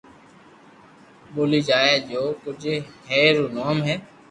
ٻولي جائي ھي جو ڪوجھ ھير رو نوم ھي